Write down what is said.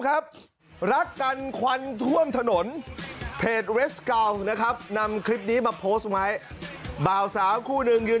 ครับรักกันควันถ้วงถนนโค้นเร็ทสการ์ลนะครับนำคลิปนี้มาบาวสาวคู่หนึ่งยืน